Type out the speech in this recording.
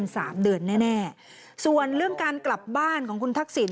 อยู่ได้ไม่เกิน๓เดือนแน่ส่วนเรื่องการกลับบ้านของคุณทักษิณ